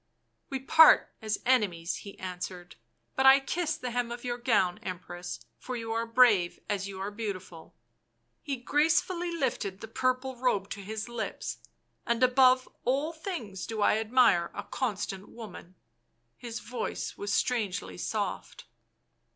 " We part as enemies," he answered, " but I kiss the hem of your gown, Empress, for you are brave as you are beautiful." He gracefully lifted the purple robe to his lips. " And above all things do I admire a constant woman "; his voice was strangely soft.